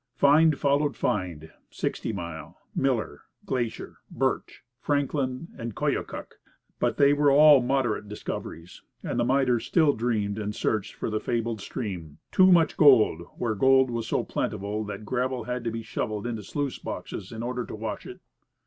Find followed find Sixty Mile, Miller, Glacier, Birch, Franklin, and the Koyokuk. But they were all moderate discoveries, and the miners still dreamed and searched for the fabled stream, "Too Much Gold," where gold was so plentiful that gravel had to be shovelled into the sluice boxes in order to wash it.